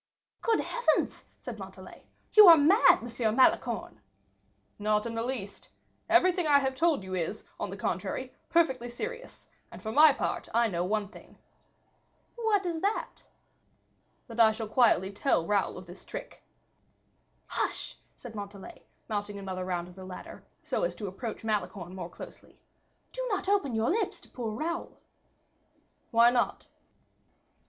"Good heavens!" said Montalais; "you are mad, M. Malicorne." "Not in the least. Everything I have told you is, on the contrary, perfectly serious; and, for my own part, I know one thing." "What is that?" "That I shall quietly tell Raoul of the trick." "Hush!" said Montalais, mounting another round of the ladder, so as to approach Malicorne more closely, "do not open your lips to poor Raoul." "Why not?"